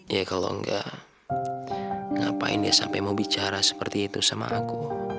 ya kalau enggak ngapain dia sampai mau bicara seperti itu sama aku